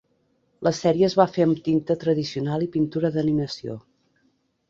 La sèrie es va fer amb tinta tradicional i pintura d'animació.